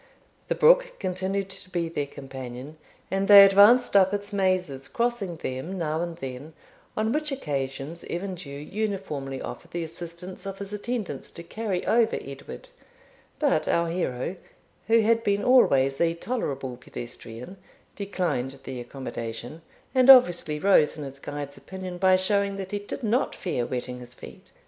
The brook continued to be their companion, and they advanced up its mazes, crossing them now and then, on which occasions Evan Dhu uniformly offered the assistance of his attendants to carry over Edward; but our hero, who had been always a tolerable pedestrian, declined the accommodation, and obviously rose in his guide's opinion, by showing that he did not fear wetting his feet.